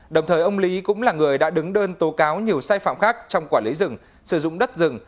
đồng thời ông lý cũng là người đã đứng đơn tố cáo nhiều sai phạm khác trong quản lý rừng sử dụng đất rừng